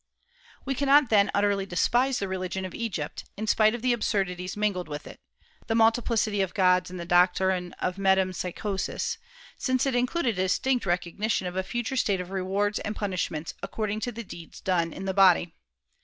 We cannot then utterly despise the religion of Egypt, in spite of the absurdities mingled with it, the multiplicity of gods and the doctrine of metempsychosis, since it included a distinct recognition of a future state of rewards and punishments "according to the deeds done in the body."